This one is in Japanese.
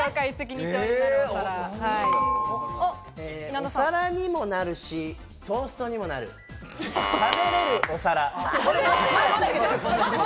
お皿にもなるし、トーストにもなる、食べれるお皿。